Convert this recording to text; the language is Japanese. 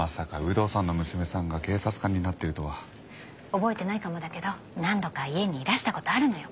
覚えてないかもだけど何度か家にいらした事あるのよ。